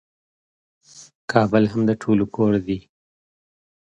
کابل هم د ټولو کور دی.